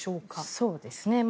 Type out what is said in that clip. そうですね。